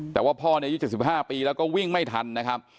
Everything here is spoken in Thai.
แต่ว่าพอเนี่ยยืนจากสิบห้าปีแล้วก็วิ่งไม่ทันนะครับ